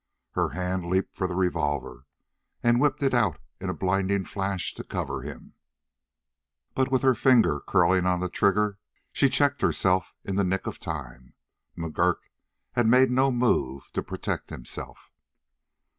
Her hand leaped for the revolver, and whipped it out in a blinding flash to cover him, but with her finger curling on the trigger she checked herself in the nick of time. McGurk had made no move to protect himself.